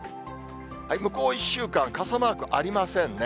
向こう１週間、傘マークありませんね。